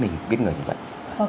mình biết người như vậy